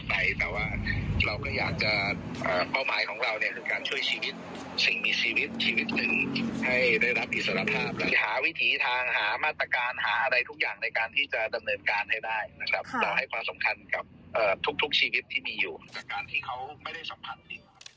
แต่ว่าเราก็อยากจะเป้าหมายของเราเนี่ยคือการช่วยชีวิตสิ่งมีชีวิตชีวิตหนึ่งให้ได้รับอิสรภาพหรือหาวิถีทางหามาตรการหาอะไรทุกอย่างในการที่จะดำเนินการให้ได้นะครับแต่ให้ความสำคัญกับทุกชีวิตที่มีอยู่จากการที่เขาไม่ได้สัมผัส